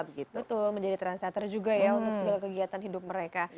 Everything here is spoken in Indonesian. betul menjadi transator juga ya untuk segala kegiatan hidup mereka